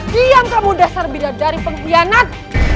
diam kamu dasar bidat dari pengkhianat